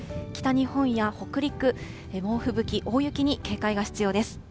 北日本や北陸、猛吹雪、大雪に警戒が必要です。